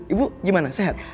ibu gimana sehat